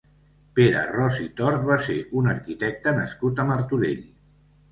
Pere Ros i Tort va ser un arquitecte nascut a Martorell.